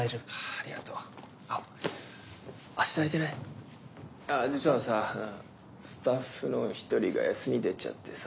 ああ実はさスタッフの１人が休み出ちゃってさ。